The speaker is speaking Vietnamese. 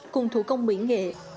cùng thủ công mỹ nghệ